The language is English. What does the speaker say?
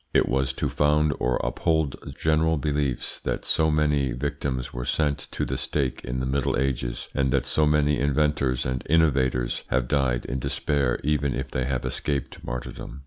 It was to found or uphold general beliefs that so many victims were sent to the stake in the Middle Ages and that so many inventors and innovators have died in despair even if they have escaped martyrdom.